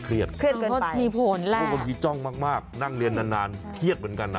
เพราะว่ามันบิจ้องมากนั่งเรียนนานเครียดเหมือนกันน่ะ